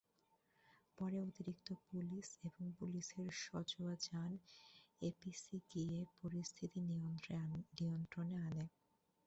পরে অতিরিক্ত পুলিশ এবং পুলিশের সাঁজোয়া যান এপিসি গিয়ে পরিস্থিতি নিয়ন্ত্রণে আনে।